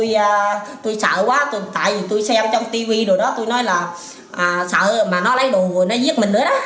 rồi tôi sợ quá tại vì tôi xem trong tv rồi đó tôi nói là sợ mà nó lấy đồ rồi nó giết mình nữa đó